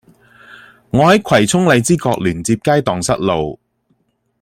我喺葵涌荔枝角聯接街盪失路